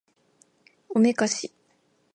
おめかし